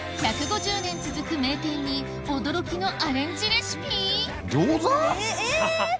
１５０年続く名店に驚きのアレンジレシピ？